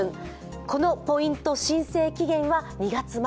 このポイント申請期限は２月末。